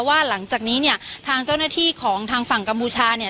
หลังจากนี้เนี่ยทางเจ้าหน้าที่ของทางฝั่งกัมพูชาเนี่ย